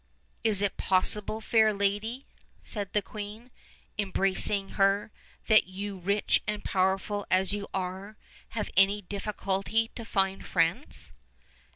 "Is it possible, fair lady," said the queen, embracing her, "that you, rich and powerful as you are, have any difficulty to find friends?"